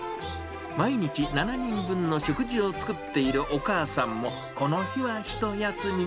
毎日７人分の食事を作っているお母さんも、この日は一休み。